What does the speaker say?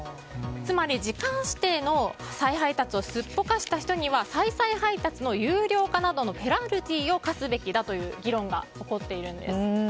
つまり時間指定の再配達をすっぽかした人には再々配達の有料化などのペナルティーを科すべきだという議論が起こっています。